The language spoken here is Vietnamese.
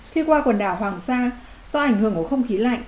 khi qua quần đảo hoàng sa do ảnh hưởng của không khí lạnh